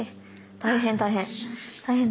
大変大変。